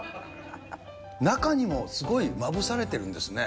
中にもすごいまぶされてるんですね。